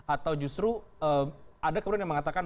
atau justru ada kemudian yang mengatakan